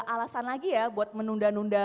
alasan lagi ya buat menunda nunda